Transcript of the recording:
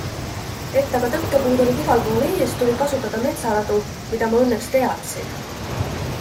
Et aga tõkkepuud olid igal pool ees, tuli kasutada metsaradu, mida ma õnneks teadsin.